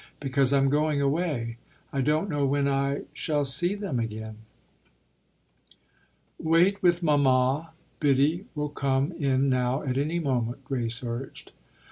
"Because I'm going away I don't know when I, shall see them again." "Wait with mamma. Biddy will come in now at any moment," Grace urged.